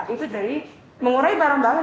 itu dari mengurai barang barang